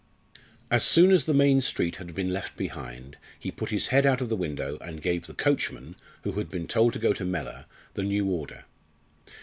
As soon as the main street had been left behind, he put his head out of the window, and gave the coachman, who had been told to go to Mellor, the new order.